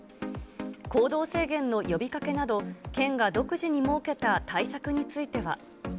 行動制限の呼びかけなど、県が独自に設けた対策については。